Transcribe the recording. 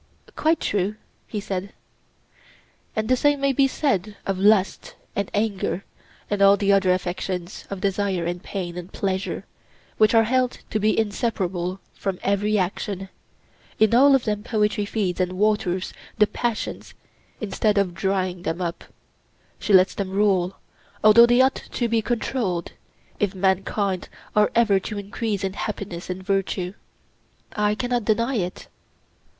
Quite true, he said. And the same may be said of lust and anger and all the other affections, of desire and pain and pleasure, which are held to be inseparable from every action—in all of them poetry feeds and waters the passions instead of drying them up; she lets them rule, although they ought to be controlled, if mankind are ever to increase in happiness and virtue. I cannot deny it.